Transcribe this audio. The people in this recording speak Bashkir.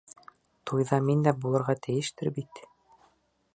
Туйҙа мин дә булырға тейештер бит?